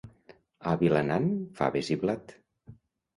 A Vilanant, faves i blat.